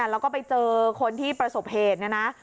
แล้วก็ไปเจอคนที่ประสบเหตุ